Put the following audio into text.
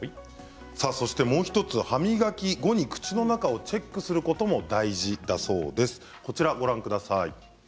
そしてもう１つ歯磨き後に口の中をチェックすることも大事だそうです。